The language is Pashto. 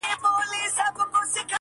سم لرګی نه ورته ووهه